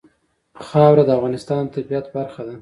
خاوره د افغانستان د طبیعت برخه ده.